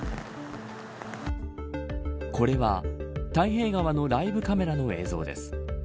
これは太平川のライブカメラの映像です。